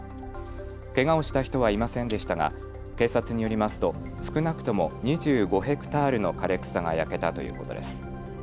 けがをした人はいませんでしたが警察によりますと少なくとも２５ヘクタールの枯れ草が焼けたということです。